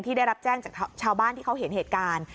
ได้รับแจ้งจากชาวบ้านที่เขาเห็นเหตุการณ์